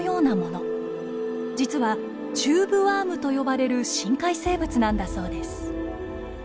実はチューブワームと呼ばれる深海生物なんだそうです。